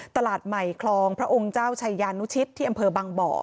ตลาดใหม่คลองพระองค์เจ้าชายานุชิตที่อำเภอบางบ่อ